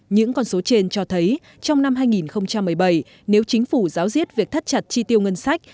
những con số trên cho thấy trong năm hai nghìn một mươi bảy nếu chính phủ giáo diết việc thắt chặt chi tiêu ngân sách